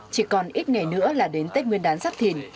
chỉ còn ít ngày nữa là đến tết nguyên đán giáp thìn